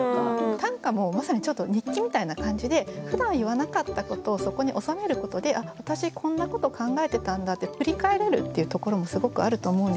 短歌もまさにちょっと日記みたいな感じでふだん言わなかったことをそこに収めることで「あっ私こんなこと考えてたんだ」って振り返れるっていうところもすごくあると思うんですよ。